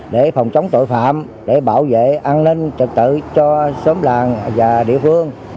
để phòng chống tội phạm để bảo vệ an ninh trật tự cho xóm làng và địa phương